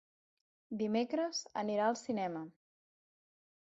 Dimecres anirà al cinema.